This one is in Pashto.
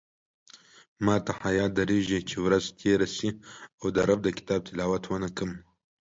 ماته حیاء درېږې چې ورځ تېره شي او د رب د کتاب تلاوت ونکړم